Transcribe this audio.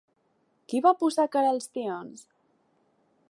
Qui va posar cara als tions?